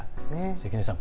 関根さん